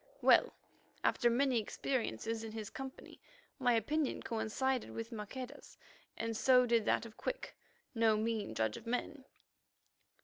Well, after many experiences in his company, my opinion coincided with Maqueda's, and so did that of Quick, no mean judge of men.